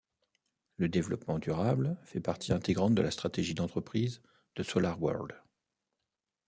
Le développement durable fait partie intégrante de la stratégie d’entreprise de SolarWorld.